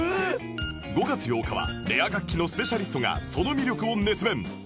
５月８日はレア楽器のスペシャリストがその魅力を熱弁